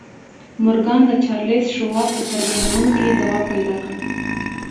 مورګان د چارليس شواب په څرګندونو کې ځواب پيدا کړ.